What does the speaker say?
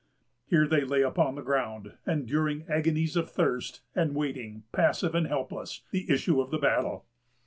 Here they lay upon the ground, enduring agonies of thirst, and waiting, passive and helpless, the issue of the battle.